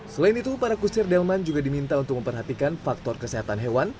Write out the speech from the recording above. selain itu para kusir delman juga diminta untuk memperhatikan faktor kesehatan hewan